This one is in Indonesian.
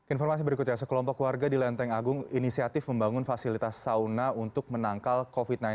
informasi berikutnya sekelompok warga di lenteng agung inisiatif membangun fasilitas sauna untuk menangkal covid sembilan belas